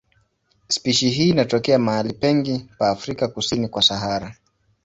Spishi hii inatokea mahali pengi pa Afrika kusini kwa Sahara.